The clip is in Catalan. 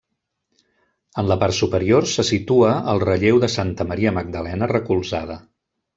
En la part superior se situa el relleu de Santa Maria Magdalena recolzada.